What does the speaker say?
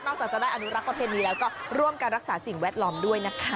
นอกจากจะได้อนุรักษ์พระธานีเดี๋ยวก็ร่วมการรักษาสิ่งแวดลองด้วยนะคะ